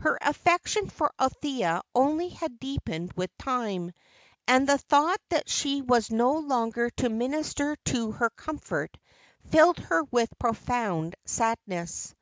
Her affection for Althea only had deepened with time, and the thought that she was no longer to minister to her comfort filled her with profound sadness.